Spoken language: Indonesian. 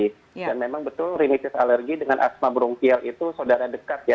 dan memang betul rinitis alergi dengan asma burung kial itu saudara dekat ya